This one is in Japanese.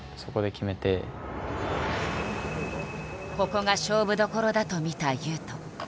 ここが勝負どころだと見た雄斗。